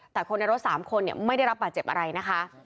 แต่คนในรถ๓คนไม่ได้รับบาดเจ็บอะไรนะคะ